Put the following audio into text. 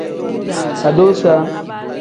Adusa.